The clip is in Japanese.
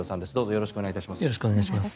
よろしくお願いします。